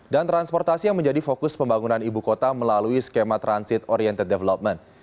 dan transportasi yang menjadi fokus pembangunan ibu kota melalui skema transit oriented development